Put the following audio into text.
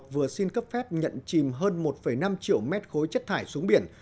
vừa xin cấp phép nhận chìm hơn một năm triệu mét khối chất thải xuống biển